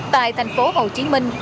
tại thành phố hồ chí minh